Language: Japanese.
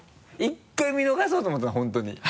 １回見逃そうと思ったの本当に。